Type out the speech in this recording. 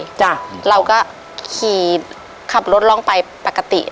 เราค่ะเราก็ขี่ขับรถล่องไปปกติ